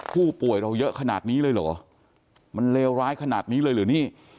ผู้ป่วยเราเยอะขนาดนี้เลยเหรอมันเลวร้ายขนาดนี้เลยหรือนี่